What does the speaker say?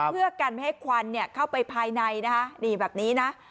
เพื่อกันไม่ให้ควันเข้าไปภายในนะคะนี่แบบนี้นะ